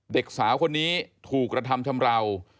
เด็กสาวคนนี้ถูกกระทำชำราว